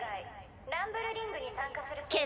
ランブルリングに参加する生徒。